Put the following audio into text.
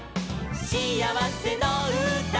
しあわせのうた」